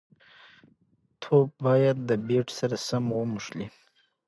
توپ باید د بېټ سره سم وموښلي.